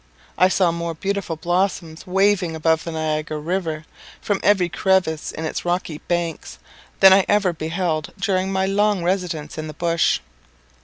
I saw more beautiful blossoms waving above the Niagara river, from every crevice in its rocky banks, than I over beheld during my long residence in the bush.